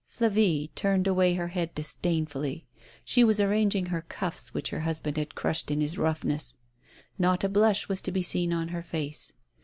Flavie turned away her head disdainfully. She was arranging her cuffs, which her husband had crushed in his roughness. Not a blush was to be seen on her face.